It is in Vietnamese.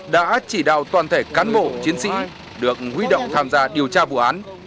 đã chỉ đạo toàn thể cán bộ chiến sĩ được huy động tham gia điều tra vụ án